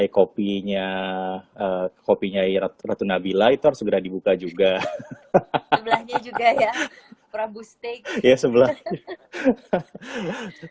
kopinya kopinya irat iratunabila itu harus segera dibuka juga hahaha